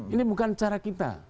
ini bukan cara kita